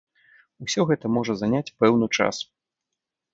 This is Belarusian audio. Усё гэта можа заняць пэўны час.